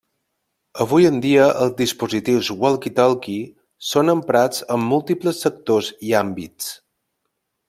Avui en dia els dispositius walkie-talkies són emprats en múltiples sectors i àmbits.